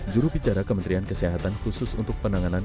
juru bicara kementerian kesehatan khusus untuk penanganan